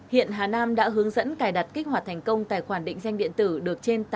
hiện hà nam đã hướng dẫn cài đặt kích hoạt thành công tài khoản định danh điện tử được trên tám mươi